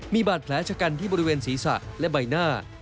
มีบาดแผลชะกันที่บริเวณศีรษะและใบหน้า